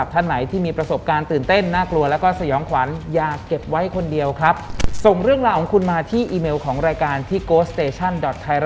ใช่แบบนั้นใช่